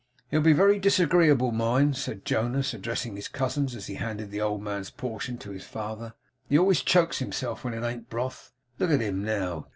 'He'll be very disagreeable, mind,' said Jonas, addressing his cousins as he handed the old man's portion to his father. 'He always chokes himself when it an't broth. Look at him, now!